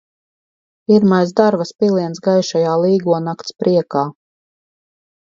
Pirmais darvas piliens gaišajā Līgo nakts priekā!